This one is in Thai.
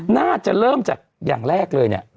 น่าจะเริ่มจากอย่างแรกเลย